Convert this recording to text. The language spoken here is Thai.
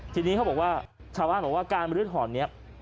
ทีนี้เขาบอกว่าชาวบ้านบอกว่าการบรื้อถอนนี้